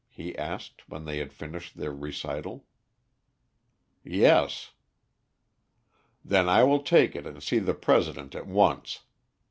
he asked, when they had finished their recital. "Yes." "Then I will take it and see the President at once.